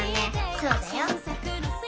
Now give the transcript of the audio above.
そうだよ。